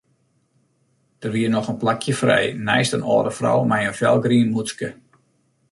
Der wie noch in plakje frij neist in âlde frou mei in felgrien mûtske.